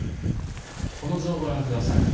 この図をご覧ください。